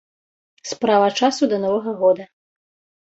Справа часу да новага года.